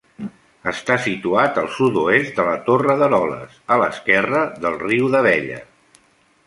Està situat al sud-oest de la Torre d'Eroles, a l'esquerra del riu d'Abella.